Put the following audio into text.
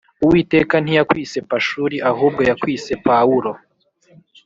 Uwiteka ntiyakwise Pashuri ahubwo yakwise pawuro.